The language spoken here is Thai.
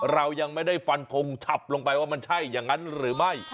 เรายังไม่ได้ฟันทงฉับลงไปว่ามันใช่อย่างนั้นหรือไม่